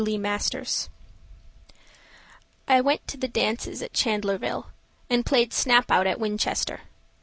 Lucinda Matlock I went to the dances at Chandlerville, And played snap out at Winchester.